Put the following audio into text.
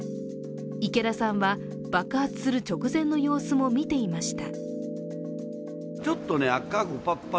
池田さんは、爆発する直前の様子も見ていました。